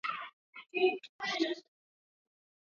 Kuuwa watu wanaopatikana na makosa ya ufisadi